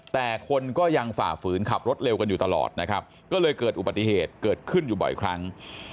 แต่คนก็ยังฝ่าฝืนขับรถเร็วกันอยู่ตลอดนะครับก็เลยเกิดอุบัติเหตุเกิดขึ้นอยู่บ่อยครั้ง